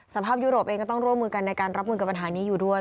ภาพยุโรปเองก็ต้องร่วมมือกันในการรับมือกับปัญหานี้อยู่ด้วย